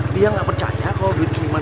dia nggak percaya kalau bikin kimia dekat